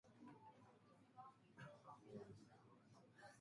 担任海南省人大常委会副主任。